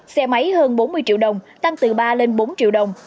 xe máy hơn bốn mươi triệu đồng tăng từ ba lên bốn triệu đồng